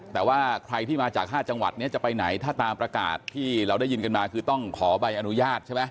แต่ว่าใครที่มาจาก๕จังหวัดเนี่ยจะไปไหนถ้าตามประกาศที่เราได้ยินกันมาคือต้องขอใบอนุญาตใช่ไหม